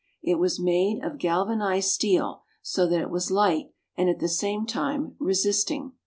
It was made of gal vanized steel, so that it was light, and at the same time resisting.